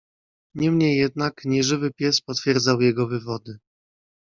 "Niemniej jednak, nieżywy pies potwierdzał jego wywody."